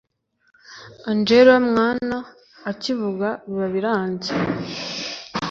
angella mwana akivuga biba biranze